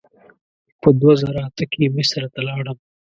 په دوه زره اته کې مصر ته لاړم.